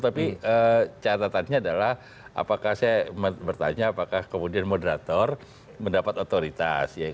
tapi catatannya adalah apakah saya bertanya apakah kemudian moderator mendapat otoritas